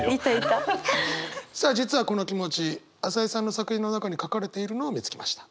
さあ実はこの気持ち朝井さんの作品の中に書かれているのを見つけました。